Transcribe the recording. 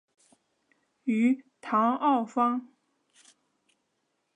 于唐奥方。